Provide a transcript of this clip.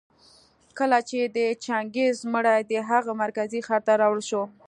کله چي د چنګېز مړى د هغه مرکزي ښار ته راوړل شو